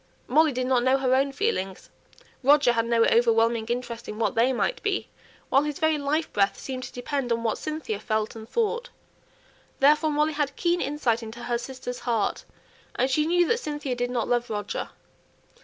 Molly did not know her own feelings; Roger had no overwhelming interest in what they might be; while his very life breath seemed to depend on what Cynthia felt and thought. Therefore Molly had keen insight into her "sister's" heart; and she knew that Cynthia did not love Roger.